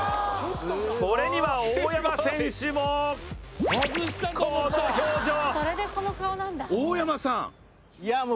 これには大山選手も、この表情。